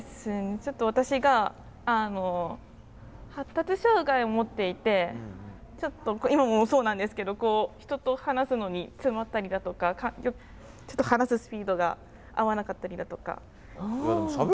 ちょっと私が発達障害をもっていて今もそうなんですけどこう人と話すのに詰まったりだとかちょっと話すスピードが合わなかったりだとか。